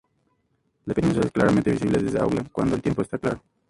La península es claramente visible desde Auckland cuando el tiempo está claro.